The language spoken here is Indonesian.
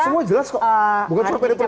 semua jelas kok bukan cuma pdi perjuangan